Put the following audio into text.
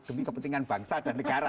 demi kepentingan bangsa dan negara